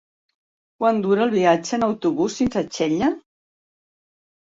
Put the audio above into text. Quant dura el viatge en autobús fins a Xella?